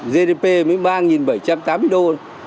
gdp mới ba bảy trăm tám mươi đô